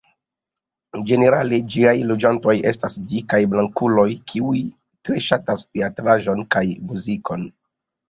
Ĝenerale, ĝiaj loĝantoj estas dikaj blankuloj kiuj tre ŝatas teatraĵon kaj muzikon.